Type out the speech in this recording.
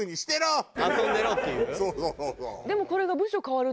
でも。